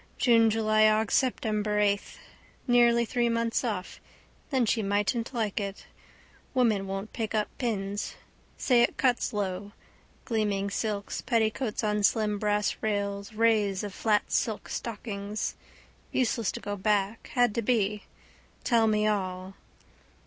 Junejulyaugseptember eighth. Nearly three months off. Then she mightn't like it. Women won't pick up pins. Say it cuts lo. Gleaming silks, petticoats on slim brass rails, rays of flat silk stockings. Useless to go back. Had to be. Tell me all.